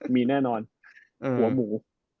มีแน่นอนหัวหมู